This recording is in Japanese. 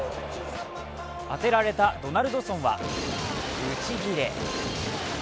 当てられたドナルドソンはブチギレ。